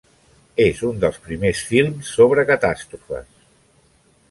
És un dels primers films sobre catàstrofes.